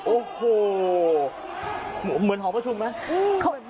โอ้โหเหมือนหอประชุมไหม